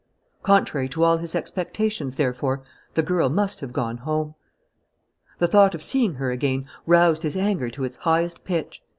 Contrary to all his expectations, therefore, the girl must have gone home. The thought of seeing her again roused his anger to its highest pitch.